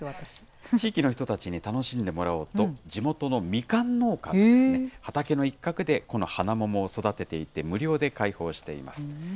地域の人たちに楽しんでもらおうと、地元のみかん農家ですね、畑の一角でこのハナモモを育てていて、無料で開放しています。